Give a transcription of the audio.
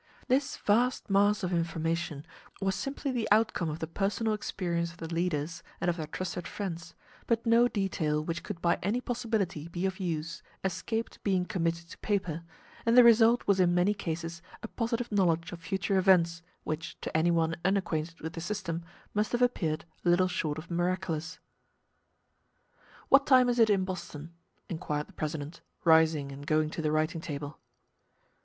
This vast mass of information was simply the outcome of the personal experience of the leaders, and of their trusted friends, but no detail which could by any possibility be of use escaped being committed to paper, and the result was in many cases a positive knowledge of future events, which, to any one unacquainted with the system, must have appeared little short of miraculous. "What time is it in Boston?" inquired the president, rising and going to the writing table.